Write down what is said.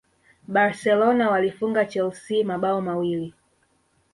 barcelona walifunga chelsea mabao mawili